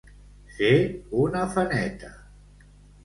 Ser un afaneta.